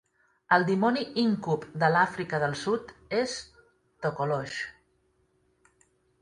El dimoni íncub de l'Àfrica del Sud és Tokolosh.